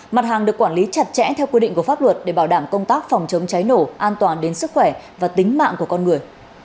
mặt hàng được quản lý chặt chẽ theo quy định của pháp luật để bảo đảm công tác phòng chống cháy nổ an toàn đến sức khỏe và tính mạng của con người